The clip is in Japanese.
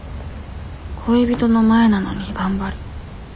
恋人の前なのに頑張る。